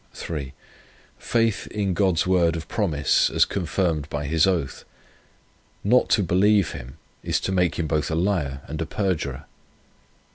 18.) 3. Faith in God's word of promise as confirmed by His oath. Not to believe Him is to make Him both a liar and a perjurer.